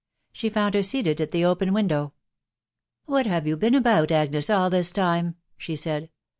She found her seated at the open window. " What have you been about, Agnes, all this time ?" she said.